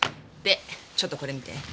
でちょっとこれ見て。